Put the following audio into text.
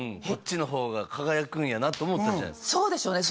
こっちの方が輝くんやなと思ったんじゃないですか